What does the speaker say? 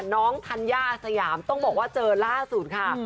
ธัญญาอาสยามต้องบอกว่าเจอล่าสุดค่ะ